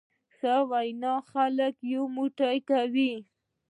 ښه وینا خلک یو موټی کوي.